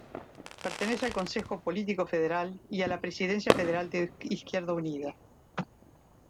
Pertenece al Consejo Político Federal y a la presidencia federal de Izquierda Unida.